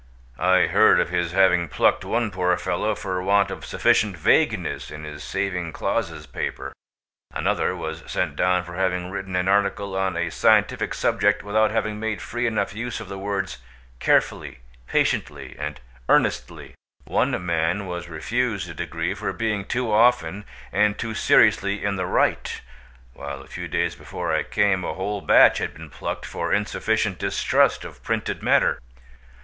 I heard of his having plucked one poor fellow for want of sufficient vagueness in his saving clauses paper. Another was sent down for having written an article on a scientific subject without having made free enough use of the words "carefully," "patiently," and "earnestly." One man was refused a degree for being too often and too seriously in the right, while a few days before I came a whole batch had been plucked for insufficient distrust of printed matter.